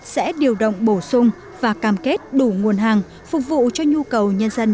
sẽ điều động bổ sung và cam kết đủ nguồn hàng phục vụ cho nhu cầu nhân dân